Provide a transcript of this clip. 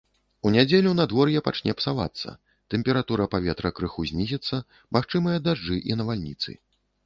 У нядзелю надвор'е пачне псавацца, тэмпература паветра крыху знізіцца, магчымыя дажджы і навальніцы.